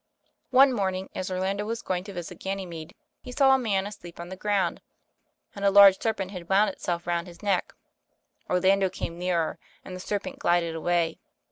One morning, as Orlando was going to visit Ganymede, he saw a man asleep on the ground, and a large serpent had wound itself round his neck. Orlando came nearer, and the serpent glided away.